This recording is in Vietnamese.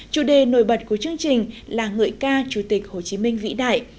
chủ đề nổi bật của chương trình là ngợi ca chủ tịch hồ chí minh vĩ đại